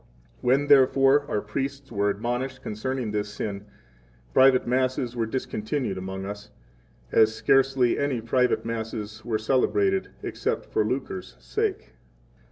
13 When, therefore our priests were admonished concerning this sin, Private Masses were discontinued among us, as scarcely any Private Masses were celebrated except for lucre's sake.